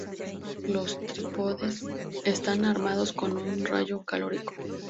Los trípodes están armados con un rayo calórico.